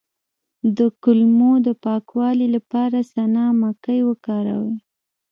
د کولمو د پاکوالي لپاره سنا مکی وکاروئ